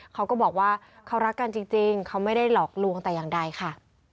เขาก็บอกว่าเขารักกันจริงเขาไม่ได้หลอกลวงแต่อย่างใดค่ะ